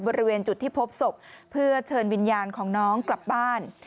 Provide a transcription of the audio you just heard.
บริเวณจุดที่พบศพเพื่อเชิญวิญญาณของน้องกลับบ้าน